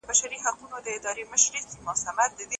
د بمونو راکټونو له هیبته